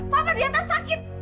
bapak di atas sakit